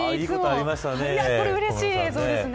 これうれしい映像ですね。